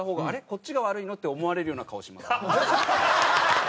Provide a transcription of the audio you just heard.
こっちが悪いの？って思われるような顔します。